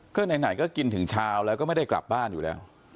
ก็ไหนก็กินถึงเช้าแล้วก็ไม่ได้กลับบ้านอยู่แล้ว